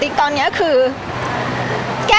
พี่ตอบได้แค่นี้จริงค่ะ